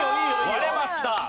割れました。